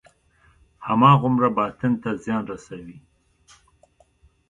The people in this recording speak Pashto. هماغومره باطن ته زیان رسوي.